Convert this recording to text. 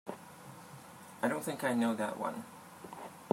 I don't think I know that one.